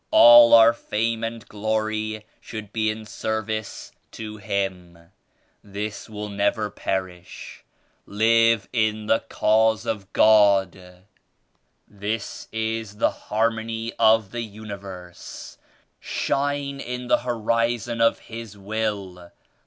All our fame and glory should be in service to Him. This will never perish. Live in the Cause of God; this is the Harmony of the Universe. Shine in the Horizon of His Will.